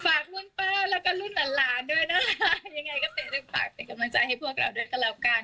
รุ่นป้าแล้วก็รุ่นหลานหลานด้วยนะคะยังไงก็เป็นฝากเป็นกำลังใจให้พวกเราด้วยกันแล้วกัน